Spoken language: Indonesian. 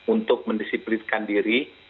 untuk mendisiplinkan diri